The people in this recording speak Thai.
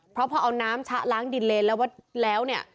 เพราะพอเอาน้ำชะล้างดินเลนแล้วแล้วเนี่ย